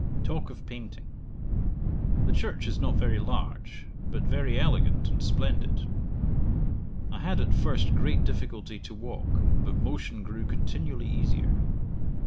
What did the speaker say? Talk of painting, The church is not very large, but very elegant and splendid. I had at first great difficulty to walk, but motion grew continually easier.